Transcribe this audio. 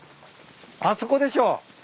あそこでしょ？